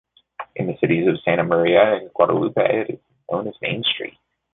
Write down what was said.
In the cities of Santa Maria and Guadalupe, it is known as Main Street.